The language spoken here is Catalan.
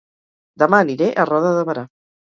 Dema aniré a Roda de Berà